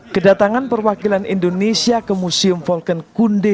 kedatangan perwakilan indonesia ke museum volken kunde